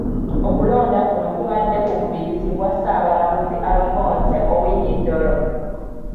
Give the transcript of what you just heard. Okulonda kuno kubadde ku kubirizibwa Ssaabalamuzi Alfonse Owiny-Dollo.